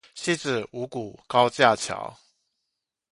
汐止五股高架橋